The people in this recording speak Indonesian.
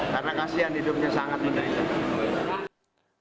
karena kasihan hidupnya sangat menderita